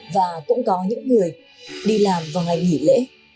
và cũng có những người đi làm vào ngày nghỉ lễ